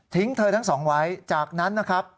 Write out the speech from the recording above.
เธอทั้งสองไว้จากนั้นนะครับ